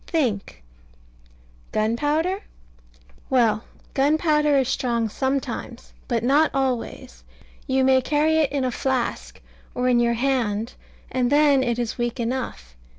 Think ... Gunpowder? Well, gunpowder is strong sometimes: but not always. You may carry it in a flask, or in your hand, and then it is weak enough.